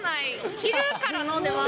昼から飲んでます。